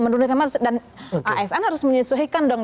dan asn harus menyesuaikan dong